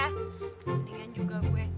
mendingan juga gue